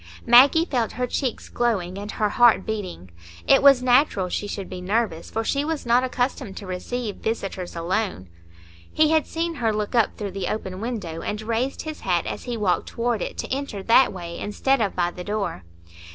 Maggie felt her cheeks glowing and her heart beating; it was natural she should be nervous, for she was not accustomed to receive visitors alone. He had seen her look up through the open window, and raised his hat as he walked toward it, to enter that way instead of by the door.